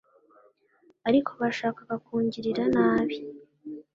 Ariko bashakaga kungirira nabi